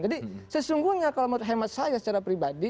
jadi sesungguhnya kalau menurut hemat saya secara pribadi